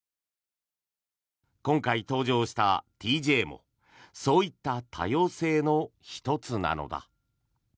今回、登場したＴＪもそういった多様性の１つなのだ。